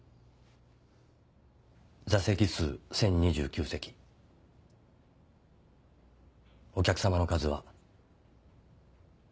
座席数１０２９席。お客さまの数は。